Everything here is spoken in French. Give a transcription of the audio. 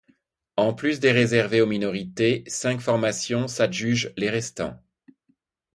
En plus des réservés aux minorités, cinq formations s'adjugent les restant.